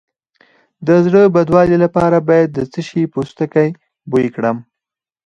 د زړه بدوالي لپاره باید د څه شي پوستکی بوی کړم؟